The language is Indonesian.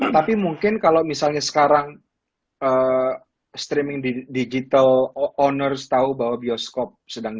tapi mungkin kalau misalnya sekarang streaming digital owner tau bahwa bioskop sedang gak bisa berhasil